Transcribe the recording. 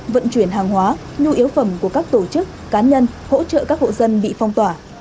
vận chuyển hàng hóa nhu yếu phẩm của các tổ chức cá nhân hỗ trợ các hộ dân bị phong tỏa